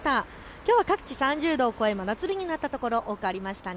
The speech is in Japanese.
きょうは各地３０度を超え真夏日になったところが多くありました。